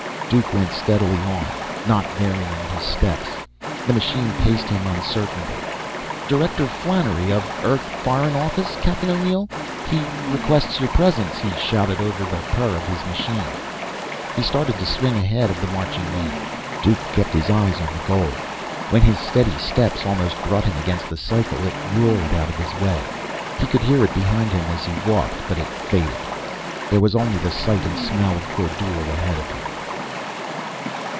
Duke went steadily on, not varying his steps. The machine paced him uncertainly. "Director Flannery of Earth Foreign Office, Captain O'Neill. He requests your presence," he shouted over the purr of his machine. He started to swing ahead of the marching man. Duke kept his eyes on his goal. When his steady steps almost brought him against the cycle, it roared out of his way. He could hear it behind him as he walked, but it faded. There was only the sight and smell of Kordule ahead of him.